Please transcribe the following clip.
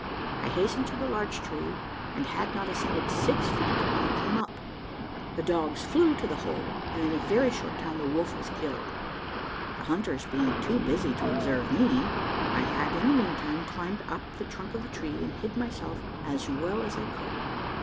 I hastened to the large tree, and had not ascended six feet when they came up; the dogs flew to the hole, and in a very short time the wolf was killed. The hunters being too busy to observe me, I had, in the meantime, climbed up the trunk of the tree, and hid myself as well as I could.